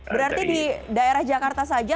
berarti di daerah jakarta saja